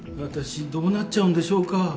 私どうなっちゃうんでしょうか？